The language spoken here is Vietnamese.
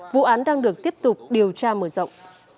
vụ án đang được tiếp tục điều tra mở rộng